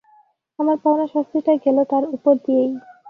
আমার পাওনা শাস্তিটা গেল তাঁর উপর দিয়েই।